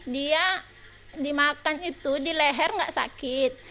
dia dimakan itu di leher nggak sakit